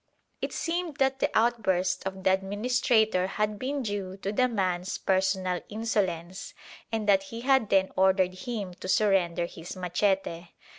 It seemed that the outburst of the administrator had been due to the man's personal insolence, and that he had then ordered him to surrender his machete.